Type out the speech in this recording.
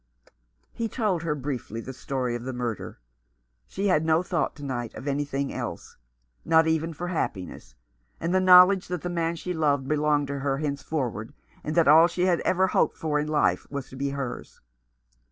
He told her briefly the story of the murder. She had no thought to night for anything else — not even for happiness, and the knowledge that the man she loved belonged to her henceforward, and that all she had ever hoped for in life was to be hers.